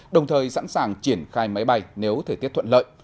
đồng thời sẵn sàng triển khai máy bay nếu thời tiết thuận lợi